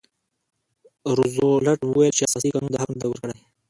روزولټ وویل چې اساسي قانون دا حق نه دی ورکړی.